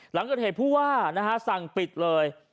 หลังเกิดเหตุผู้ว่านะฮะสั่งปิดเลย